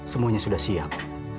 semuanya sudah siap